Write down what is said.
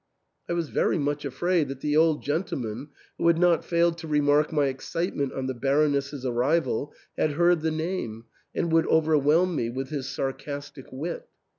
I was very much afraid that the old gentle man, who had not failed to remark my excitement on the Baroness's arrival, had heard the name, and would overwhelm me with his sarcastic wit.